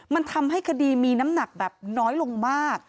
มันทำให้คดีมีน้ำหนักแบบน้อยลงมาก